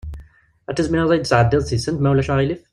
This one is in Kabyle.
Ad tizmireḍ ad iyi-d-tesɛeddiḍ tisent, ma ulac aɣilif?